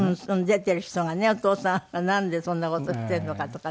出てる人がねお父さんがなんでそんな事してるのかとかね。